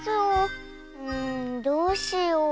うんどうしよう。